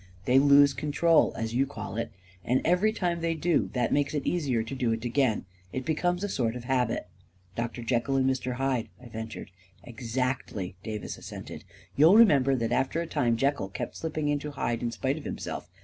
They lose control, as you call it ; and every time they do that makes it easier to do it again —• it becomes a sort of habit" 14 Doctor Jekyl and Mr. Hyde," I ventured. 11 Exactly," Davis assented. " You'll remember that after a time, Jekyl kept slipping into Hyde in spite of himself.